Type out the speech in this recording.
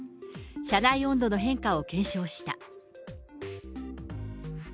車内温度の変化を検証した。